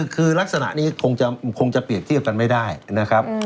คือลักษณะนี้คงจะเปรียบเทียบกันไม่ได้นะครับ